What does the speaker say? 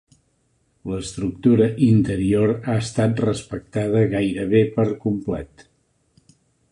L'estructura interior ha estat respectada gairebé per complet.